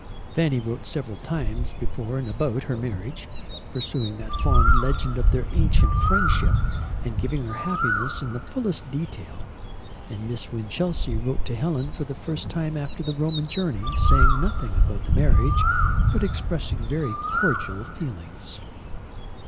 Fanny wrote several times before and about her marriage, pursuing that fond legend of their "ancient friendship," and giving her happiness in the fullest detail. And Miss Winchelsea wrote to Helen for the first time after the Roman journey, saying nothing about the marriage, but expressing very cordial feelings.